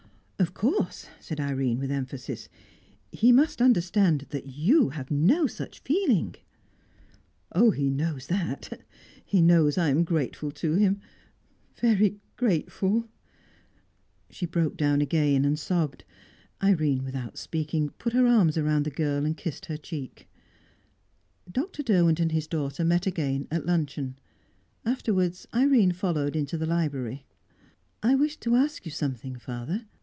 "Of course," said Irene, with emphasis. "He must understand that you have no such feeling " "Oh, he knows that! He knows I am grateful to him very grateful " She broke down again, and sobbed. Irene, without speaking, put her arms around the girl and kissed her cheek. Dr. Derwent and his daughter met again at luncheon. Afterwards, Irene followed into the library. "I wish to ask you something, father.